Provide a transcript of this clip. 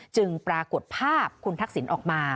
ปรากฏภาพคุณทักษิณออกมา